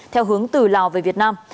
theo hướng từ lào về việt nam